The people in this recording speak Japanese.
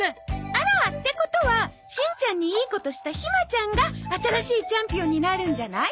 あらってことはしんちゃんにいいことしたひまちゃんが新しいチャンピオンになるんじゃない？